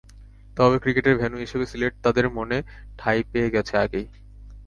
তবে ক্রিকেটের ভেন্যু হিসেবে সিলেট তাদের মনে ঠাঁই পেয়ে গেছে আগেই।